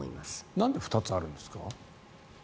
なんで２つあるんですか？